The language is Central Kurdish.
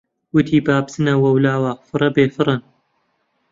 وتی: با بچن وەولاوە فرە بێفەڕن!